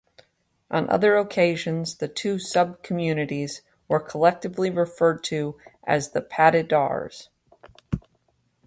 On other occasions the two sub-communities were collectively referred to as the "Patidars".